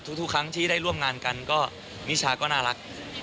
ทุกครั้งที่ได้ร่วมงานกันก็นิชาก็น่ารัก